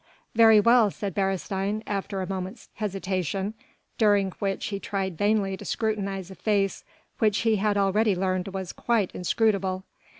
"Very well," said Beresteyn after a moment's hesitation during which he tried vainly to scrutinize a face which he had already learned was quite inscrutable.